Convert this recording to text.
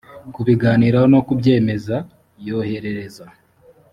kubiganiraho no kubyemeza yoherereza